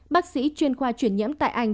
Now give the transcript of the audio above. bác sĩ chuyên khoa chuyển nhiễm tại anh